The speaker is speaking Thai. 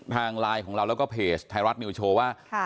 ทางไลน์ของเราแล้วก็เพจไทยรัฐนิวโชว์ว่า